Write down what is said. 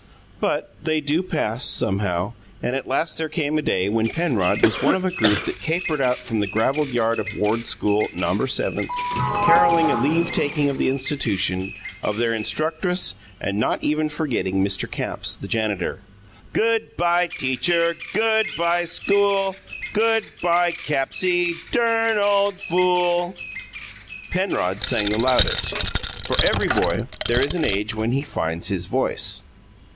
But they do pass, somehow, and at last there came a day when Penrod was one of a group that capered out from the gravelled yard of "Ward School, Nomber Seventh," carolling a leave taking of the institution, of their instructress, and not even forgetting Mr. Capps, the janitor. "Good bye, teacher! Good bye, school! Good bye, Cappsie, dern ole fool!" Penrod sang the loudest. For every boy, there is an age when he "finds his voice."